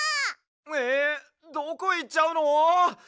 えどこいっちゃうの！？